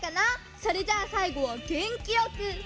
それじゃあさいごはげんきよく！